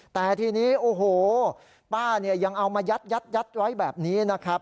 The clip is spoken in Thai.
แต่ทีนี้ป้ายังเอามายัดไว้แบบนี้นะครับ